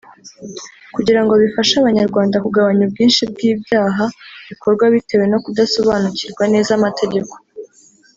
kugira ngo bifashe Abanyarwanda kugabanya ubwinshi bw’ibyaha bikorwa bitewe no kudasobanukirwa neza amategeko